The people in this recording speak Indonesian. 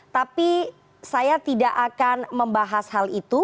tapi saya tidak akan membahas hal itu